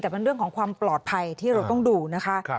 แต่เป็นเรื่องของความปลอดภัยที่เราต้องดูนะคะ